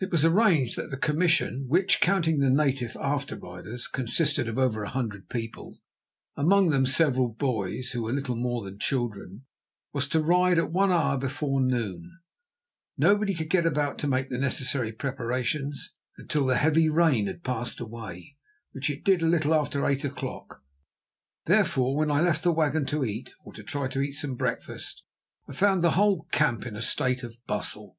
It was arranged that the commission, which, counting the native after riders, consisted of over a hundred people, among them several boys, who were little more than children, was to ride at one hour before noon. Nobody could get about to make the necessary preparations until the heavy rain had passed away, which it did a little after eight o'clock. Therefore when I left the wagon to eat, or try to eat some breakfast, I found the whole camp in a state of bustle.